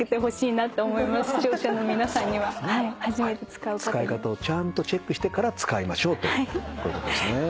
使い方をちゃんとチェックしてから使いましょうということですね。